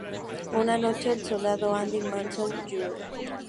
Una noche, el soldado Andy Mason Jr.